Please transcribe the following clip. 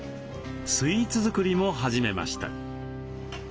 スイーツ作りも始めました。